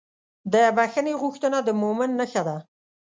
د بښنې غوښتنه د مؤمن نښه ده.